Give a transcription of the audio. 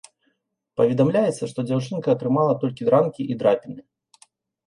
Паведамляецца, што дзяўчынка атрымала толькі ранкі і драпіны.